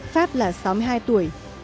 pháp là sáu mươi hai tuổi